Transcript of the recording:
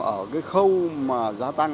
ở cái khâu mà giá tăng